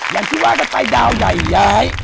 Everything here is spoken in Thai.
อย่างที่ว่าก็ไปดาวใหญ่